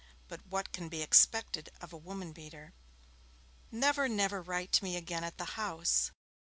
'But what can be expected of a woman beater?') Never, never write to me again at the house.